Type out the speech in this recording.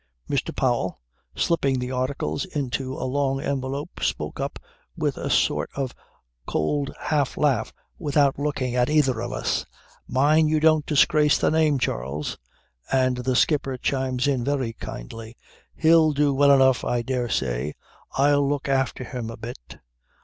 "Mr. Powell, slipping the Articles into a long envelope, spoke up with a sort of cold half laugh without looking at either of us. "Mind you don't disgrace the name, Charles." "And the skipper chimes in very kindly: "He'll do well enough I dare say. I'll look after him a bit."